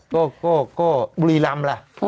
โก้โก้โก้บุรีรำล่ะ